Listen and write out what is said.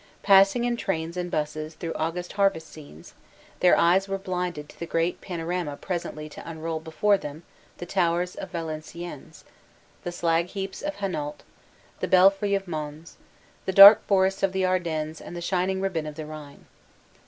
Pass ing in trains and busses through August harvest scenes, their eyes were blinded to the great panorama presently to unroll before them the towers of Valenciennes, the slag heaps of Hainault, the belfry of Mons, the dark forests of the Ardennes and the shining ribbon of the Rhine.